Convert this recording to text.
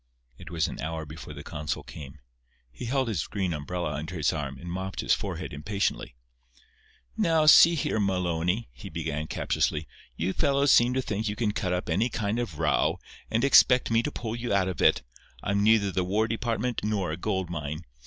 It was an hour before the consul came. He held his green umbrella under his arm, and mopped his forehead impatiently. "Now, see here, Maloney," he began, captiously, "you fellows seem to think you can cut up any kind of row, and expect me to pull you out of it. I'm neither the War Department nor a gold mine.